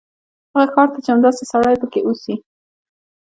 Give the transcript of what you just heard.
هغه ښار ته چې همدا سړی پکې اوسي.